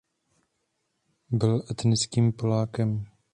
Byl etnickým Polákem.